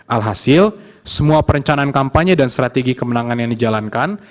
alhasil semua perencanaan kampanye dan strategi kemenangan yang dijalankan